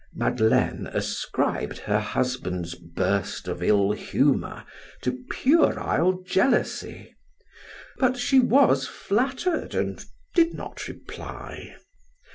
Madeleine ascribed her husband's burst of ill humor to puerile jealousy, but she was flattered and did not reply.